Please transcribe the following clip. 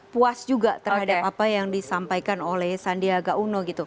mereka juga merasa puas juga terhadap apa yang disampaikan oleh sandiaga uno gitu